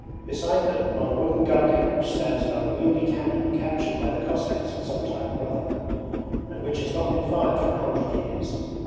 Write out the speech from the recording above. Beside them on a wooden gun carriage stands an unwieldy cannon captured by the Cossacks at some time or other, and which has not been fired for a hundred years.